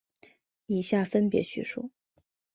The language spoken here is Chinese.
以下分别叙述。